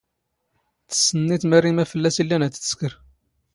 ⵜⵙⵙⵏ ⵏⵉⵜ ⵎⴰⵔⵉ ⵎⴰⴷ ⴼⵍⵍⴰⵙ ⵉⵍⵍⴰⵏ ⴰⴷ ⵜ ⵜⵙⴽⵔ.